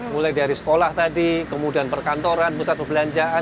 mulai dari sekolah tadi kemudian perkantoran pusat perbelanjaan